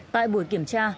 tại buổi kiểm tra